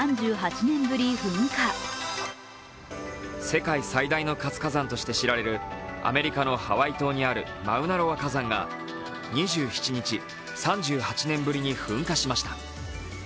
世界最大の活火山として知られるアメリカのハワイ島にあるマウナロア火山が２７日、３８年ぶりに噴火しました。